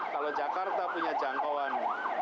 kalau jakarta punya jangkauan